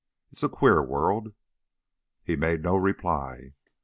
It's a queer world." He made no reply.